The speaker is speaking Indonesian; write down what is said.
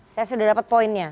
saya sudah dapat poinnya